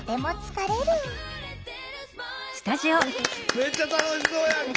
めっちゃ楽しそうやんか。